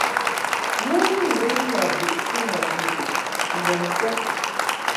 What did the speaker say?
Mon lin ma duʼti ŋwaʼni mbɔŋkɛd.